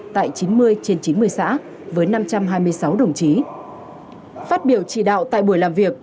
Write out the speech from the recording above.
tại chín mươi trên chín mươi xã với năm trăm hai mươi sáu đồng chí phát biểu chỉ đạo tại buổi làm việc